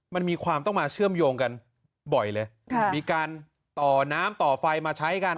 มันมีความต้องมาเชื่อมโยงกันบ่อยเลยมีการต่อน้ำต่อไฟมาใช้กัน